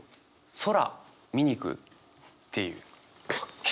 「空見に行く？」っていう。